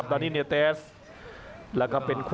อัศวินาศาสตร์